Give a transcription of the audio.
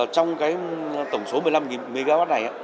trong cái tổng số một mươi năm mwp này